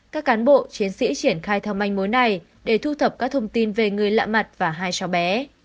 các cán bộ chiến sĩ triển khai theo manh mối này để thu thập các thông tin về người lạ mặt và hai cháu bé